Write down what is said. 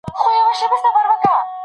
د نثر رسمي رنګ ته اشاره شوې ده.